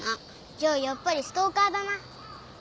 じゃあやっぱりストーカーだな。